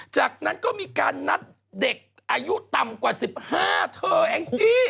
จากนั้นก็มีการนัดเด็กอายุต่ำกว่า๑๕เธอแองจี้